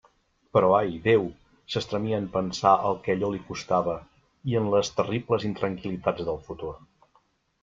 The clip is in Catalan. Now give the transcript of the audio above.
Però ai, Déu!, s'estremia en pensar el que allò li costava i en les terribles intranquil·litats del futur.